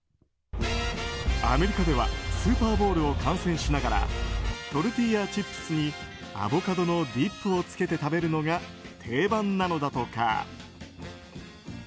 アメリカではスーパーボウルを観戦しながらトルティーヤチップスにアボカドのディップをつけて食べるのが定番なのだとか。